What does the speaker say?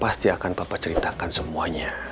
pasti akan bapak ceritakan semuanya